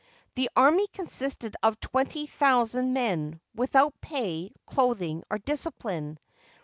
The army consisted of twenty thousand men, without pay, clothing, or discipline.